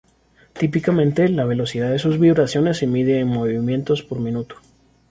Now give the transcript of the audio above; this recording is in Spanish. Típicamente, la velocidad de sus vibraciones se mide en movimientos por minuto.